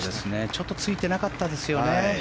ちょっとついてなかったですよね。